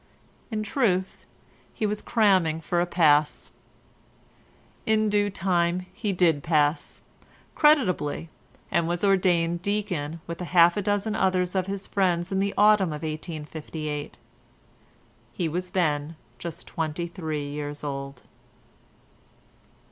In truth, he was cramming for a pass. In due time he did pass—creditably, and was ordained Deacon with half a dozen others of his friends in the autumn of 1858. He was then just twenty three years old.